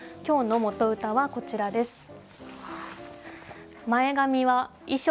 今日の元歌はこちらです。